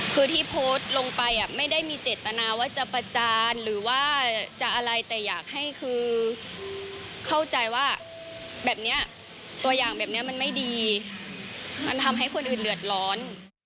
คือที่โพสต์ลงไปไม่ได้มีเจตนาว่าจะประจานหรือว่าจะอะไรแต่อยากให้คือเข้าใจว่าแบบนี้ตัวอย่างแบบนี้มันไม่ดีมันทำให้คนอื่นเดือดร้อน